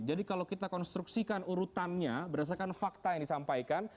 jadi kalau kita konstruksikan urutannya berdasarkan fakta yang disampaikan